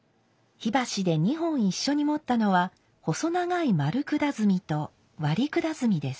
火箸で２本一緒に持ったのは細長い丸管炭と割管炭です。